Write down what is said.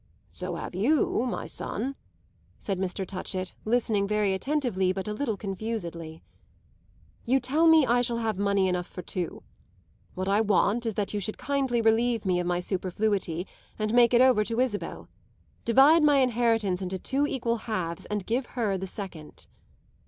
"So have you, my son," said Mr. Touchett, listening very attentively but a little confusedly. "You tell me I shall have money enough for two. What I want is that you should kindly relieve me of my superfluity and make it over to Isabel. Divide my inheritance into two equal halves and give her the second."